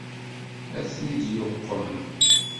Ad ten-id-yuqem?